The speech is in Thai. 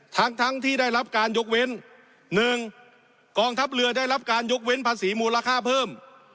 ทั้งทั้งที่ได้รับการยกเว้น๑กองทัพเรือได้รับการยกเว้นภาษีมูลค่าเพิ่ม